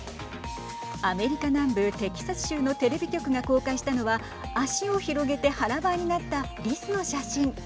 アメリカ南部テキサス州のテレビ局が公開したのは足を広げて腹ばいになったリスの写真。